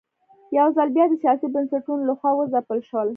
یوځل بیا د سیاسي بنسټونو له خوا وځپل شول.